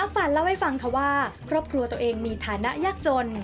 ฟันเล่าให้ฟังค่ะว่าครอบครัวตัวเองมีฐานะยากจน